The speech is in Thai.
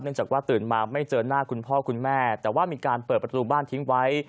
จากว่าตื่นมาไม่เจอหน้าคุณพ่อคุณแม่แต่ว่ามีการเปิดประตูบ้านทิ้งไว้